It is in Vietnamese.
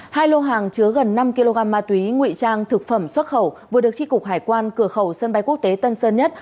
hai lô hàng chứa gần năm kg ma túy nguy trang thực phẩm xuất khẩu vừa được tri cục hải quan cửa khẩu sân bay quốc tế tân sơn nhất